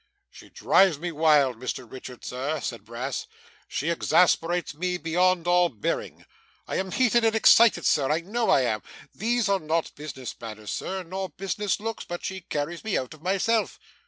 'She drives me wild, Mr Richard, sir,' said Brass, 'she exasperates me beyond all bearing. I am heated and excited, sir, I know I am. These are not business manners, sir, nor business looks, but she carries me out of myself.